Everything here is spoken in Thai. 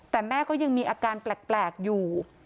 แต่แม่ก็ยังมีอาการแปลกอยู่